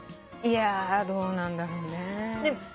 いやぁどうなんだろうね。